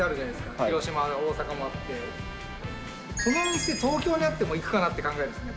広島、大阪もあって、この店、東京にあっても行くかなって考えるんですね。